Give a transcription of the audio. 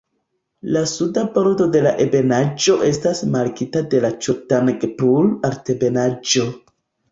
La suda bordo de la ebenaĵo estas markita de la Ĉotanagpur-Altebenaĵo.